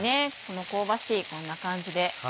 香ばしいこんな感じで。